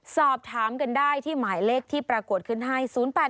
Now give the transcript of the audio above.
สอบถามกันได้ที่หมายเลขที่ปรากฏขึ้นให้๐๘๘